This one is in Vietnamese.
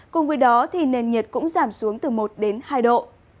cùng với đó thì nền nhiệt cũng giảm xuống từ một đến hai độ